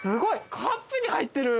カップに入ってる。